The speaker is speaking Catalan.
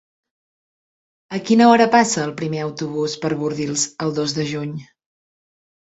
A quina hora passa el primer autobús per Bordils el dos de juny?